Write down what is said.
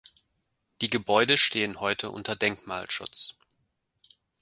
Die Gebäude stehen heute unter Denkmalschutz.